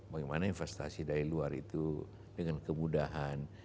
bagaimana investasi dari luar itu dengan kemudahan